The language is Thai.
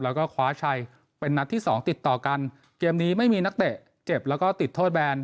แล้วก็คว้าชัยเป็นนัดที่สองติดต่อกันเกมนี้ไม่มีนักเตะเจ็บแล้วก็ติดโทษแบน